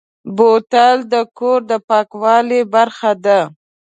بوتل د کور د پاکوالي برخه ده.